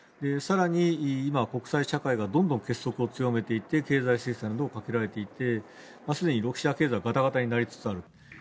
更に今、国際社会がどんどん結束を強めていて経済制裁もかけられていてすでにロシア経済はガタガタになりつつある。